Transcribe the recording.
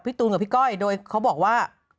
ตูนกับพี่ก้อยโดยเขาบอกว่า